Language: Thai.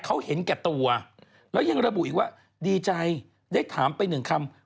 เขาเห็นแก่ตัวแล้วยังระบุอีกว่าดีใจได้ถามไปหนึ่งคำ